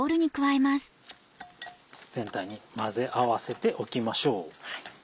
全体に混ぜ合わせておきましょう。